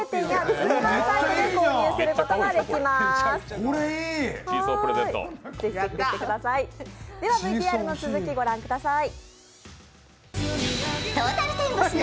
ではＶＴＲの続きご覧ください。